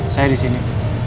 saya di sini